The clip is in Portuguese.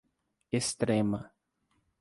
Extrema